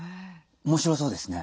面白そうですね。